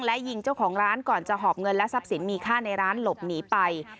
และยิงเจ้าของร้านก่อนจะหอบเงินและทรัพย์สินมีค่าในร้านหลบหนีไป